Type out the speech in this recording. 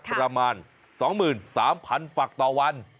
ประมาณ๒๓๐๐๐ฝักต่อวัน